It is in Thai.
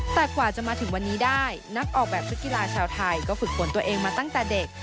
แต่กว่าจะมาถึงวันนี้ได้นักออกแบบชุดกีฬาชาวไทยก็ฝึกฝนตัวเองมาตั้งแต่เด็ก